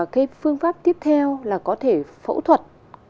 cái phương pháp tiếp theo là có thể phẫu thuật